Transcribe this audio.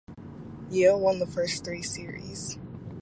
Yale won the first three series.